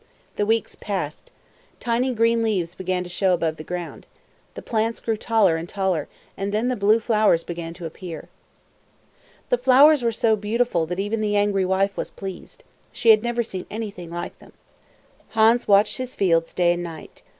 The weeks passed by. Tiny green leaves began to show above the ground. The plants grew taller and taller, and then the blue flowers began to appear. The flowers were so beautiful that even the angry wife was pleased. She had never seen anything like them. Hans watched his fields day and night.